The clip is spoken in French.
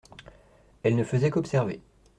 Elle ne faisait qu’observer.